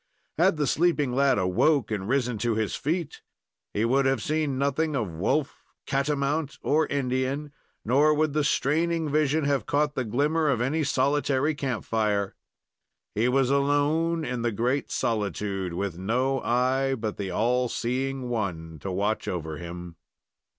Had the sleeping lad awoke and risen to his feet, he would have seen nothing of wolf, catamount, or Indian, nor would the straining vision have caught the glimmer of any solitary camp fire. He was alone in the great solitude, with no eye but the all seeing One to watch over him.